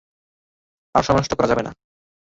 আর সময় নষ্ট করা যাবে না।